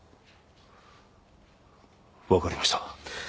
分かりました